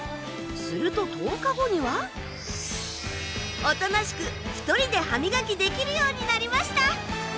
すると１０日後にはおとなしく１人で歯磨きできるようになりました。